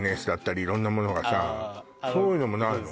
あそういうのもないの？